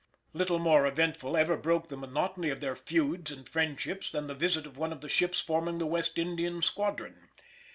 Little more eventful ever broke the monotony of their feuds and friendships than the visit of one of the ships forming the West Indian squadron.